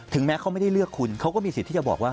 แม้เขาไม่ได้เลือกคุณเขาก็มีสิทธิ์ที่จะบอกว่า